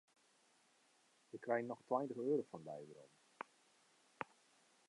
Ik krij noch tweintich euro fan dy werom.